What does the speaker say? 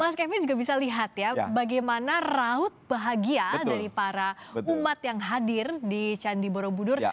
mas kevin juga bisa lihat ya bagaimana raut bahagia dari para umat yang hadir di candi borobudur